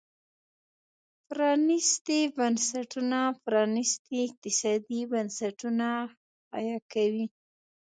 پرانيستي بنسټونه پرانيستي اقتصادي بنسټونه حیه کوي.